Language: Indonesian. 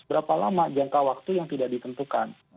berapa lama jangka waktu yang tidak ditentukan